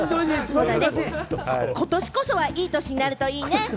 ことしこそはいい年になるといいね。